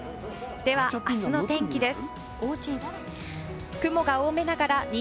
では明日の天気です。